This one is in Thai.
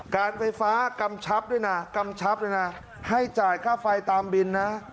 การไฟฟ้ากำชับด้วยนะให้จ่ายฝ่าฟ้าตามบิญญาณ